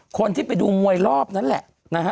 คนที่ไปดูมวยรอบนั้นแหละนะฮะ